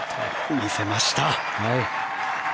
見せました。